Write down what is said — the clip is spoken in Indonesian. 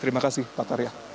terima kasih pak arya